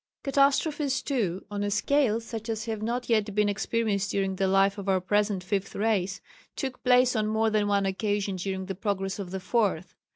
Catastrophes, too, on a scale such as have not yet been experienced during the life of our present Fifth Race, took place on more than one occasion during the progress of the Fourth.